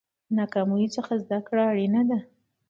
د ناکامیو څخه زده کړه اړینه ده.